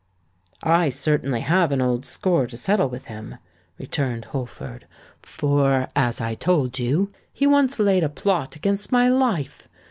"I certainly have an old score to settle with him," returned Holford; "for—as I told you—he once laid a plot against my life.